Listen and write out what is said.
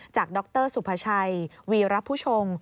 จากดรสุภชัยวีรับผู้ชม